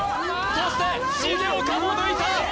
そして重岡も抜いた！